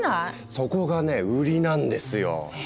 そこがね売りなんですよ。え？